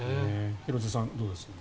廣津留さん、どうです？